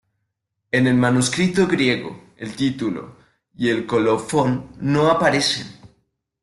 En el manuscrito griego el título y el colofón no aparecen.